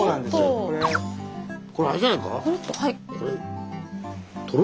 これあれじゃないか？